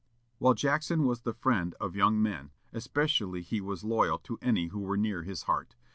While Jackson was the friend of young men, especially he was loyal to any who were near his heart.